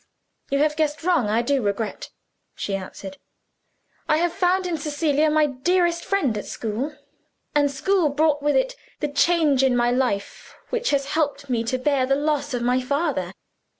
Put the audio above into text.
"You have guessed wrong; I do regret," she answered. "I have found in Cecilia my dearest friend at school. And school brought with it the change in my life which has helped me to bear the loss of my father.